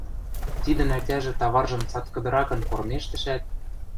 Тидӹн ӓтяжӹ таваржым цаткыдыракын кормежтӹшӓт: